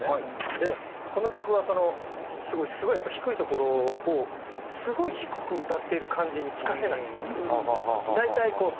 でこの曲はそのすごいやっぱり低い所をすごい低く歌っている感じに聴かせないんですよ。